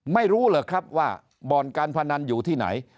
ไม่รู้เหรอครับว่าบ่อนการพนันอยู่ที่ไหน